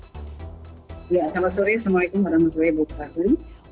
selamat sore assalamualaikum warahmatullahi wabarakatuh